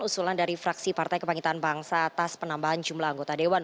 usulan dari fraksi partai kebangkitan bangsa atas penambahan jumlah anggota dewan